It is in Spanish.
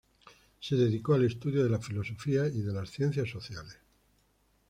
Se dedicó al estudio de la filosofía y de las ciencias sociales.